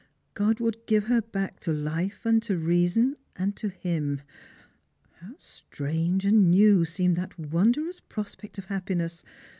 God would give her back to life and reason, and to him. How strange and new seemed that won drous prosj^ect of happiness